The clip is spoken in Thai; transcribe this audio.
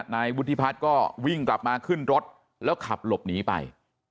นายวุฒิพัฒน์ก็วิ่งกลับมาขึ้นรถแล้วขับหลบหนีไป